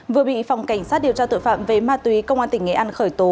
vừa bị phòng cảnh sát điều tra tội phạm về ma túy công an tỉnh nghệ an khởi tố